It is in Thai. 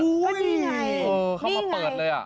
คือเขามาเปิดเลย